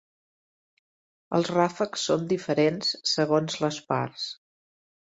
Els ràfecs són diferents segons les parts.